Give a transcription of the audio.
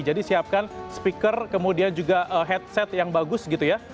jadi siapkan speaker kemudian juga headset yang bagus gitu ya